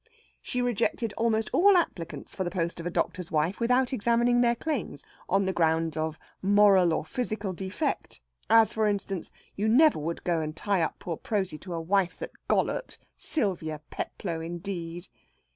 She rejected almost all applicants for the post of a doctor's wife without examining their claims, on the ground of moral or physical defect as, for instance, you never would go and tie up poor Prosy to a wife that golloped. Sylvia Peplow, indeed!